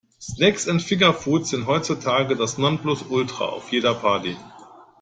Snacks und Fingerfood sind heutzutage das Nonplusultra auf jeder Party.